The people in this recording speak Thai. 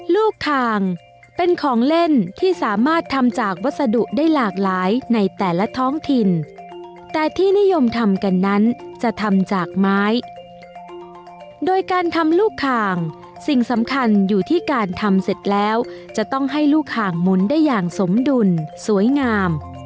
ลูกคางเป็นของเล่นที่สามารถทำจากวัสดุได้หลากหลายในแต่ละท้องถิ่นแต่ที่นิยมทำกันนั้นจะทำจากไม้โดยการทำลูกคางสิ่งสำคัญอยู่ที่การทำเสร็จแล้วจะต้องให้ลูกคางหมุนได้อย่างสมดุลสวยงาม